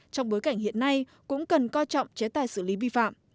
trong bối cảnh hiện nay cũng cần coi trọng chế tài xử lý vi phạm